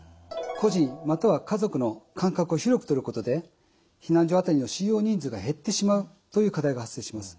個人または家族の間隔を広くとることで避難所当たりの収容人数が減ってしまうという課題が発生します。